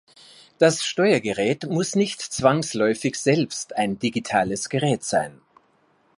Das Steuergerät muss nicht zwangsläufig selbst ein digitales Gerät sein.